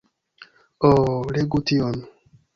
Oh, legu tion!